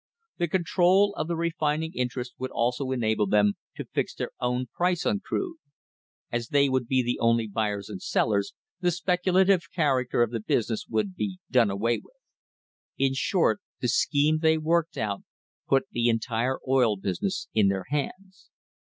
The control of the refining interests would also enable them to fix their own price on crude. As they would be the only buyers and sellers, the speculative character of the business would be done away with. In short, the scheme they worked out put the entire oil business in their hands.